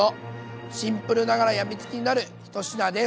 シンプルながら病みつきになるひと品です。